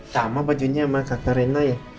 sama bajunya sama kakak rena ya